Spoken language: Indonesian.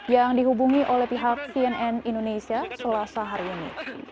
yang dihubungi oleh pihak cnn indonesia selasa hari ini